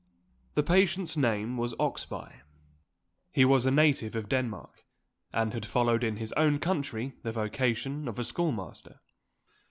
The patient's name was Oxbye. He was a native of Denmark, and had followed in his own country the vocation of a schoolmaster.